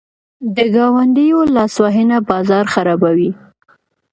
د ګاونډیو لاسوهنه بازار خرابوي.